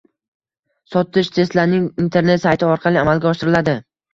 Sotish Tesla’ning internet-sayti orqali amalga oshiriladi.